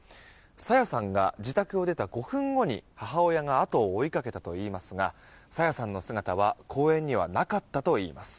朝芽さんが自宅を出た５分後に母親が後を追いかけたといいますが朝芽さんの姿は公園にはなかったといいます。